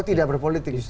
oh tidak berpolitik